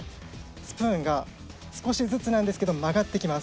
スプーンが少しずつなんですけど曲がってきます。